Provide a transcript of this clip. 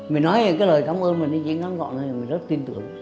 mình nói cái lời cảm ơn mình thì chỉ ngắn gọi là mình rất tin tưởng